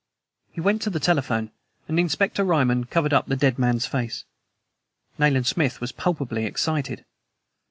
He went to the telephone, and Inspector Ryman covered up the dead man's face. Nayland Smith was palpably excited.